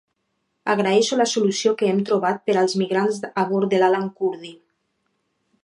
Agraeixo la solució que hem trobat per als migrants a bord de lAlan Kurdi.